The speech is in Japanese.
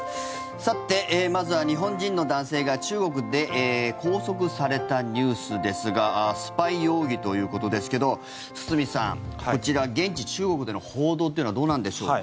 さて、まずは日本人の男性が中国で拘束されたニュースですがスパイ容疑ということですけど堤さん、こちら現地・中国での報道というのはどうなんでしょうか？